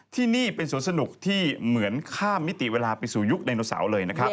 ที่นี่เป็นสวนสนุกที่เหมือนข้ามมิติเวลาไปสู่ยุคไดโนเสาร์เลยนะครับ